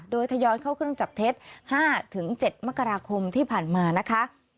โดยทยอยเข้าเครื่องจับเท็จ๕๗มกราคมที่ผ่านมานะคะ